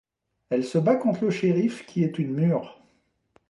Elle se bat contre le shérif qui est une mûre.